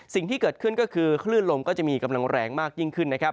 สิ่งที่เกิดขึ้นก็คือคลื่นลมก็จะมีกำลังแรงมากยิ่งขึ้นนะครับ